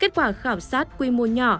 kết quả khảo sát quy mô nhỏ